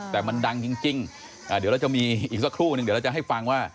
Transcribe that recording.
แต่มันดังจริงเดี๋ยวเราจะมีอีกสักครู่นึงเดี๋ยวเราจะให้ฟังว่า